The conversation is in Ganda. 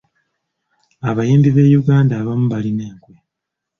Abayimbi b’e Uganda abamu balina enkwe.